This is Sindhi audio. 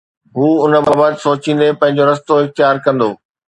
هو ان بابت سوچيندي پنهنجو رستو اختيار ڪندو